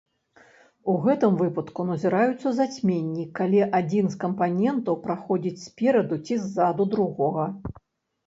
У гэтым выпадку назіраюцца зацьменні, калі адзін з кампанентаў праходзіць спераду ці ззаду другога.